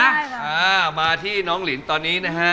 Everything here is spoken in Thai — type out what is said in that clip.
อ่ามาที่น้องลินตอนนี้นะฮะ